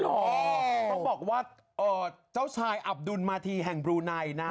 ต้องบอกว่าเอ่อเจ้าชายอับดุลมาธีแห่งบรูไนท์นะฮะ